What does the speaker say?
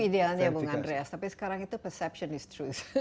itu idealnya bung andreas tapi sekarang itu perception is truth